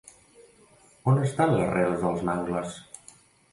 On estan les rels dels mangles?